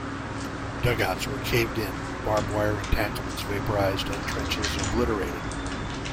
Dug-outs were caved in, barbed-wire entanglements vaporised and trenches obliterated.